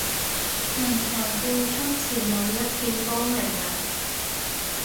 人才輩出，前路一片光明啊